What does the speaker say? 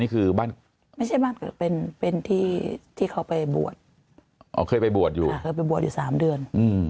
นี่คือบ้านไม่ใช่บ้านเป็นที่เขาไปบวชเคยไปบวชอยู่๓เดือน